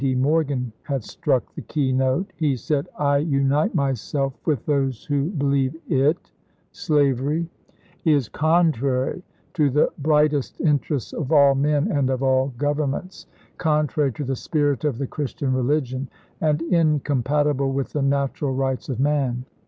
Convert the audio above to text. D. Morgan had struck the keynote. He said :" I unite myself with those who believe it [slavery] is LINCOLN EENOMINATED 67 contrary to the brightest interests of all men and of chap. hi. all governments, contrary to the spirit of the Chris tian religion, and incompatible with the natural rights of man.